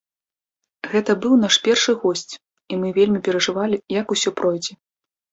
Гэта быў наш першы госць, і мы вельмі перажывалі, як усё пройдзе.